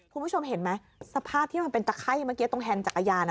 คุณผู้ชมเห็นไหมสภาพที่มันเป็นตะไข้เมื่อกี้ตรงแฮนดจักรยาน